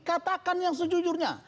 katakan yang sejujurnya